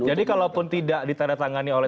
jadi kalau pun tidak ditara tangani oleh